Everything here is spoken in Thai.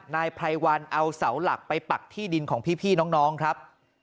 นายไพรวันเอาเสาหลักไปปักที่ดินของพี่น้องครับ